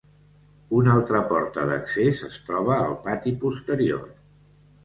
Una altra porta d'accés es troba al pati posterior.